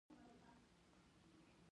خو موږ ویني چې هلته د صنعت څرک نشته